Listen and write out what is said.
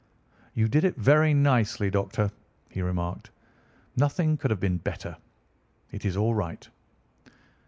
"You did it very nicely, Doctor," he remarked. "Nothing could have been better. It is all right."